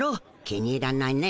気に入らないね。